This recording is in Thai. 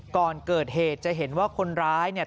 ก่อนเกิดเหตุจะเห็นว่าคนร้ายเนี่ย